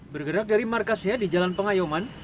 bergerak dari markasnya di jalan pengayuman